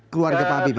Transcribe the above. keluarga pak habibie